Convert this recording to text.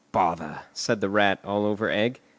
"Bother!" said the Rat, all over egg.